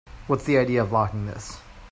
What's the idea of locking this?